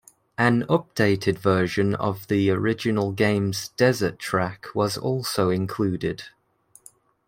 An updated version of the original game's Desert track was also included.